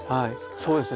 そうですね。